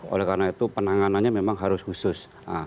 oleh karena itu penanganannya memang harus khusus